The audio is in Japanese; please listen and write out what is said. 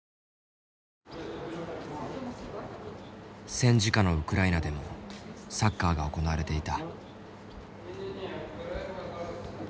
戦時下のウクライナでもサッカーが行われていた。